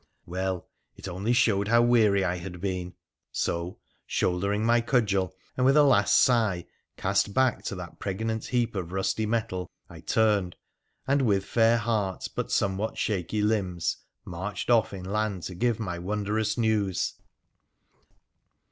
Well, it only showed how weary I had been ; so, shouldering my cudgel, and with a last sigh cast back to that pregnant heap of rusty metal, I turned, and with fair heart, but somewhat shaky limbs, marched off inland to give my wondrous news.